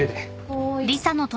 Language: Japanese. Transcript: はい。